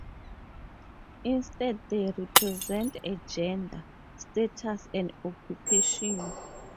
Instead, they represent a gender, status, and occupation.